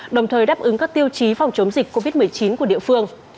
đồng thời đáp ứng các tiêu chí phòng chống dịch covid một mươi chín của địa phương